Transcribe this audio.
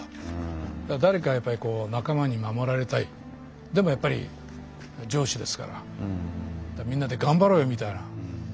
誰かやっぱりこう仲間に守られたいでもやっぱり城主ですからみんなで頑張ろうよみたいな。